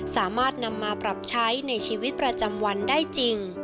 สามารถนำมาปรับใช้ในชีวิตประจำวันได้จริง